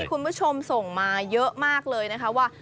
คุณผู้ชมส่งมาเยอะมากเลยนะคะว่า